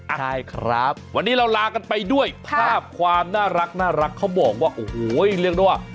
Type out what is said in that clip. ใช่ครับวันนี้เราลากันไปด้วยภาพความน่ารักเขาบอกว่าโอ้โหเรียกได้ว่า